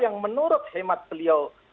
yang menurut hemat beliau